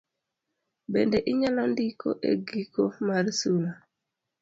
Bende inyalo ndiko e giko mar sula.